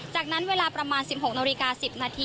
จากนั้นเวลาประมาณ๑๖น๑๐น